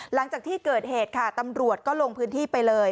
หลังจากที่เกิดเหตุค่ะตำรวจก็ลงพื้นที่ไปเลย